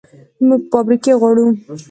موږ فابریکې غواړو